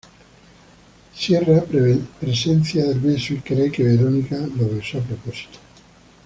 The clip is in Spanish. Sierra presencia el beso y cree que Veronica lo besó a propósito.